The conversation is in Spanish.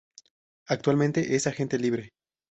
Actualmente es un agente libre.